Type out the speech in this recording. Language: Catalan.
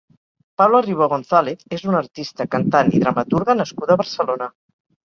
Paula Ribó González és una artista, cantant i dramaturga nascuda a Barcelona.